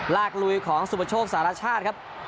ลากลุยของสุมโชคสหราชาติครับ